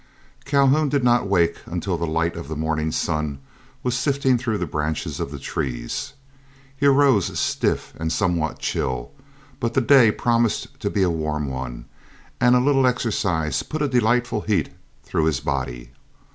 Calhoun did not wake until the light of the morning sun was sifting through the branches of the trees. He arose stiff and somewhat chill, but the day promised to be a warm one, and a little exercise put a delightful heat through his body.